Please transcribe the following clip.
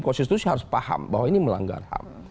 konstitusi harus paham bahwa ini melanggar ham